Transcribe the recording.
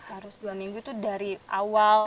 harus dua minggu itu dari awal